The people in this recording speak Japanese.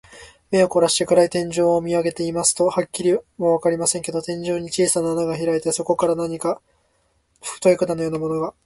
目をこらして、暗い天井を見あげていますと、はっきりとはわかりませんけれど、天井に小さな穴がひらいて、そこから何か太い管のようなものが、